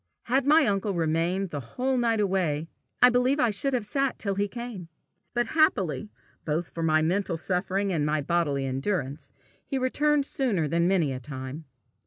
Had my uncle remained the whole night away, I believe I should have sat till he came. But, happily both for my mental suffering and my bodily endurance, he returned sooner than many a time.